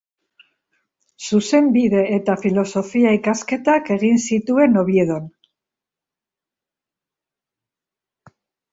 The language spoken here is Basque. Zuzenbide eta filosofia ikasketak egin zituen Oviedon.